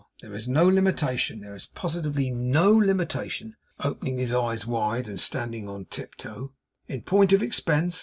There is no limitation, there is positively NO limitation' opening his eyes wide, and standing on tiptoe 'in point of expense!